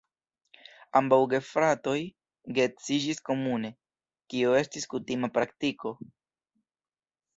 Ambaŭ gefratoj geedziĝis komune, kio estis kutima praktiko.